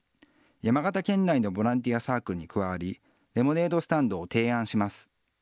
山形県内のボランティアサークルに加わり、レモネードスタンドを提案します。